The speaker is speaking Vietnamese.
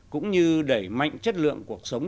cũng như đẩy mạnh chất lượng cuộc sống